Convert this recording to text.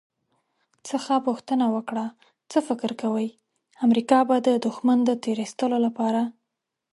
څخه پوښتنه وکړه «څه فکر کوئ، امریکا به د دښمن د تیرایستلو لپاره»